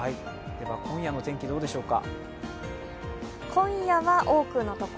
今夜の天気、どうでしょうか。